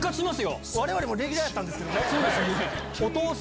我々もレギュラーやったんですけどね。